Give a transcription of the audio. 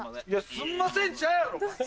すんませんちゃうやろお前！